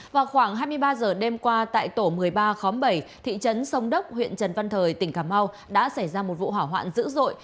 vào khoảng hai mươi ba giờ đêm qua tại tổ một mươi ba khóm bảy thị trấn sông đốc huyện trần văn thời tỉnh cà mau đã xảy ra một vụ hỏa hoạn dữ dội